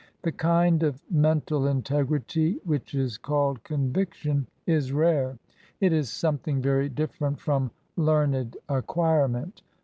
The kind of mental integrity which is called conviction is rare — it is some thing very different from learned acquirement.